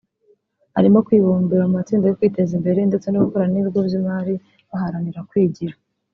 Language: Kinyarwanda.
arimo kwibumbira mu matsinda yo kwiteza imbere ndetse no gukorana n’ibigo by’imari baharanira kwigira